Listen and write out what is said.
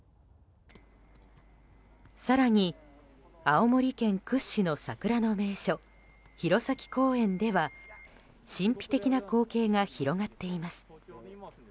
更に青森県屈指の桜の名所弘前公園では神秘的な光景が広がっています。